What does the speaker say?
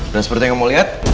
dan seperti yang kamu lihat